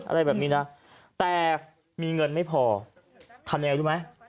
อะไรแบบนี้นะแต่มีเงินไม่พอทำยังไงรู้ไหม